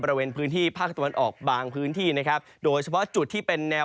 บริเวณพื้นที่ภาคตะวันออกบางพื้นที่นะครับโดยเฉพาะจุดที่เป็นแนว